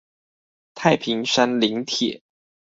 太平山林鐵